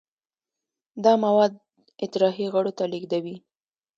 دا مواد اطراحي غړو ته لیږدوي.